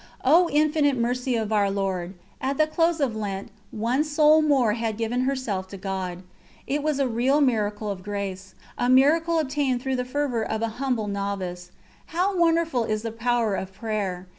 O Infinite Mercy of our Lord! At the close of Lent, one soul more had given herself to God. It was a real miracle of grace a miracle obtained through the fervour of a humble novice. How wonderful is the power of prayer!